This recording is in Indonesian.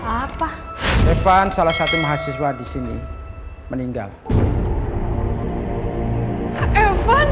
apa evan salah satu mahasiswa disini meninggal evan